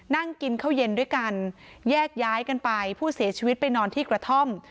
นั่งกินข้าวเย็นด้วยกันแยกย้ายกันไปผู้เสียชีวิตไปนอนที่กระท่อม